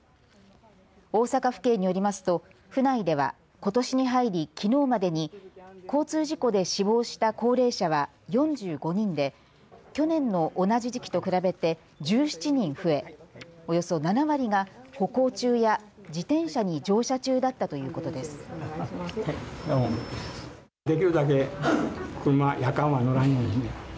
大阪府警によりますと府内では、ことしに入りきのうまでに交通事故で死亡した高齢者は４５人で去年の同じ時期と比べて１７人増えおよそ７割が歩行中や自転車に乗車中だったということです。